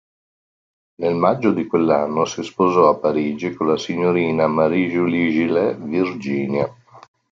Nel maggio di quell'anno si sposò a Parigi con la signorina Marie-Julie Gillet Virginia.